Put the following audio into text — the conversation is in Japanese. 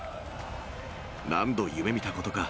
何度夢みたことか。